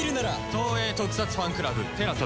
東映特撮ファンクラブＴＥＬＡＳＡで。